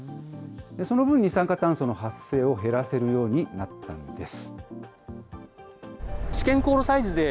その分、二酸化炭素の発生を減らせるようになったんです。